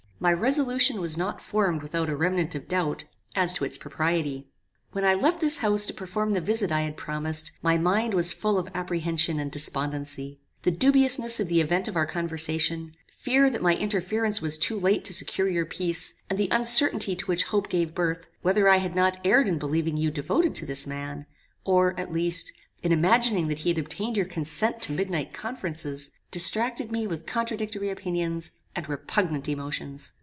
My resolution was not formed without a remnant of doubt, as to its propriety. When I left this house to perform the visit I had promised, my mind was full of apprehension and despondency. The dubiousness of the event of our conversation, fear that my interference was too late to secure your peace, and the uncertainty to which hope gave birth, whether I had not erred in believing you devoted to this man, or, at least, in imagining that he had obtained your consent to midnight conferences, distracted me with contradictory opinions, and repugnant emotions.